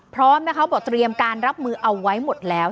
พร้อมนะคะบอกเตรียมการรับมือเอาไว้หมดแล้ว